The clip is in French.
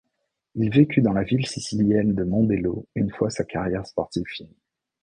Il vécut dans la ville sicilienne de Mondello une fois sa carrière sportive finie.